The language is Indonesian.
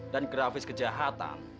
dan grafis kejahatan